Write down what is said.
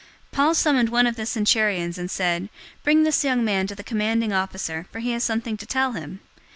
023:017 Paul summoned one of the centurions, and said, "Bring this young man to the commanding officer, for he has something to tell him."